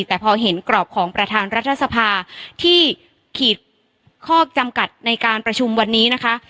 แต่พอเห็นกรอบของประธานรัฐสภาที่ขีดข้อจำกัดในการประชุมวันนี้นะคะ